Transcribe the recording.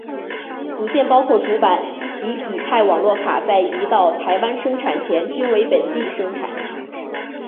组件包括主板及乙太网络卡在移到台湾生产前均为本地生产。